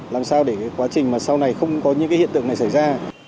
làm sao để quá trình mà sau này không có những cái hiện tượng này xảy ra